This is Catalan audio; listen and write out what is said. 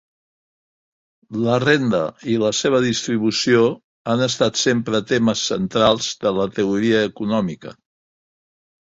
La renda i la seva distribució han estat sempre temes centrals de la teoria econòmica.